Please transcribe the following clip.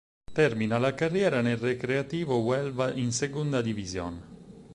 Termina la carriera nel Recreativo Huelva in Segunda División.